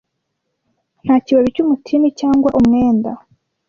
nta kibabi cy'umutini cyangwa umwenda